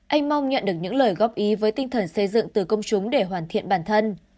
anh mong nhận được những lời góp ý với tinh thần xây dựng từ công chúng để hoàn thiện bản thân